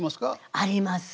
あります。